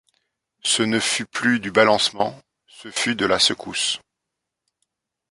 Ce ne fut plus du balancement, ce fut de la secousse.